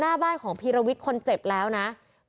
เพราะถูกทำร้ายเหมือนการบาดเจ็บเนื้อตัวมีแผลถลอก